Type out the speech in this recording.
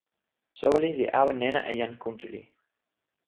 soweli li awen nena e jan Kuntuli.